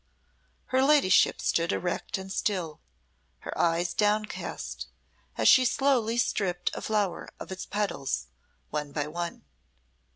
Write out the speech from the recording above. Her ladyship stood erect and still, her eyes downcast, as she slowly stripped a flower of its petals one by one.